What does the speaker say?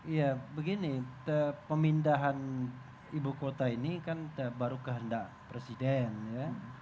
ya begini pemindahan ibu kota ini kan baru kehendak presiden ya